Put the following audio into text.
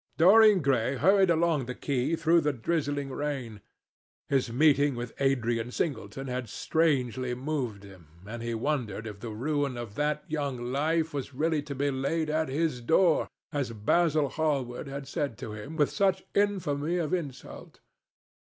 Dorian Gray hurried along the quay through the drizzling rain. His meeting with Adrian Singleton had strangely moved him, and he wondered if the ruin of that young life was really to be laid at his door, as Basil Hallward had said to him with such infamy of insult.